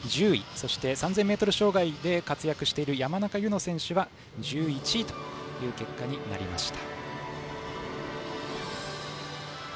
そして、３０００ｍ障害で活躍している山中柚乃選手は１１位という結果になりました。